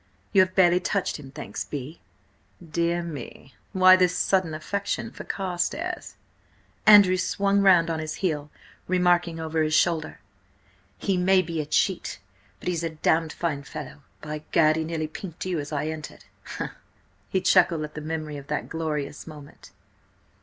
You have barely touched him, thanks be." "Dear me! Why this sudden affection for Carstares?" Andrew swung round on his heel, remarking over his shoulder: "He may be a cheat, but he's a damned fine fellow. By Gad! he nearly pinked you as I entered!" He chuckled at the memory of that glorious moment.